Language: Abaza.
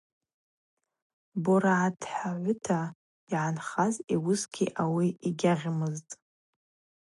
Борагӏатхӏвагӏвыта йгӏанхаз йуысгьи ауи йгьагъьмызтӏ.